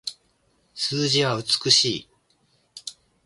数字は美しい